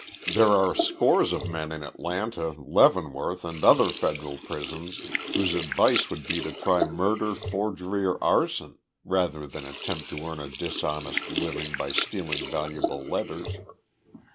There are scores of men in Atlanta, Leavenworth, and other Federal prisons whose advice would be to try murder, forgery, or arson rather than attempt to earn a dishonest living by stealing valuable letters.